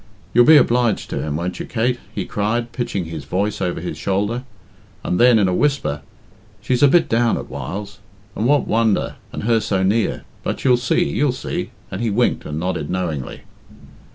You'll be obliged to him, won't you, Kate?" he cried, pitching his voice over his shoulder; and then, in a whisper, "She's a bit down at whiles, and what wonder, and her so near but you'll see, you'll see," and he winked and nodded knowingly.